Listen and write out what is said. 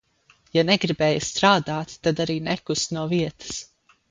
Ja negribēja strādāt tad arī nekust no vietas.